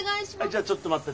じゃあちょっと待っててね。